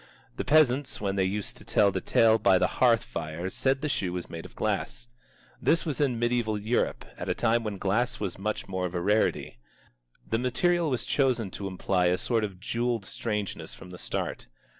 The peasants when they used to tell the tale by the hearth fire said the shoe was made of glass. This was in mediæval Europe, at a time when glass was much more of a rarity. The material was chosen to imply a sort of jewelled strangeness from the start.